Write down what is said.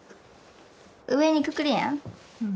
上にくくるやん。